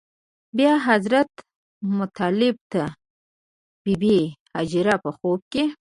بیا حضرت مطلب ته بې بي هاجره په خوب کې.